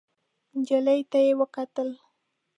نجلۍ ته يې وکتل.